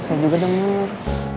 saya juga dengar